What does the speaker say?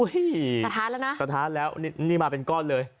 สะท้านละนะสะท้านละมาเป็นก้อนเลย